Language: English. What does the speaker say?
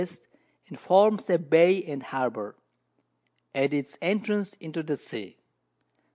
and forms a Bay and a Harbour, at its Entrance into the Sea.